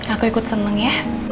aku ikut senang ya